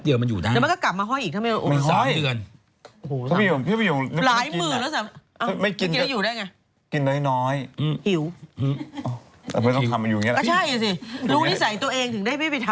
ไปเเตยอาสยางทำไม